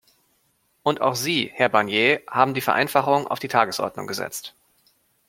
Und auch Sie, Herr Barnier, haben die Vereinfachung auf die Tagesordnung gesetzt.